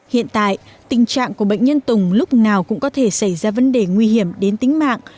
hiện tại tình trạng của bệnh nhân tùng lúc nào cũng có thể xảy ra vấn đề nguy hiểm đến tính mạng